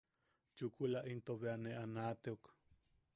Chukula into tio bea nee naʼateok.